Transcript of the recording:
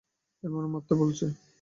এর মানে মারতে বলছে।